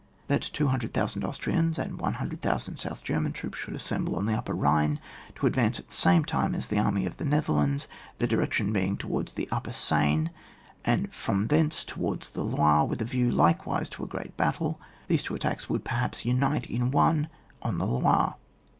2. That 200,000 Austrians and 100,000 South German troops should assemble on the Upper Bhine to advance at the same time as the army of the Netherlands, their direction being towards the Upper Seine, and from thence towards the Loire, with a view, likewise, to a great battle. These two attacks would, perhaps, unite in one on the Loire.